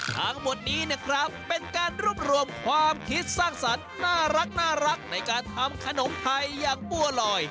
ทั้งหมดนี้นะครับเป็นการรวบรวมความคิดสร้างสรรค์น่ารักในการทำขนมไทยอย่างบัวลอย